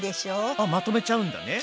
あっまとめちゃうんだね。